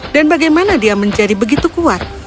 dan bagaimana dia menjadi begitu kuat